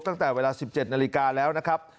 ตั้งแต่เวลา๑๗นาฬิกาแล้วนะครับ